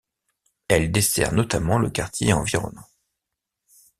Elle dessert notamment le quartier environnant.